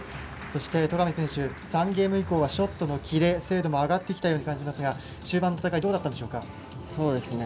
そして、戸上選手３ゲーム以降はショットのキレ精度も上がってきたように感じますが、終盤の戦いどうだったでしょうか。